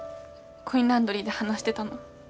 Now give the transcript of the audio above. コインランドリーで話してたの。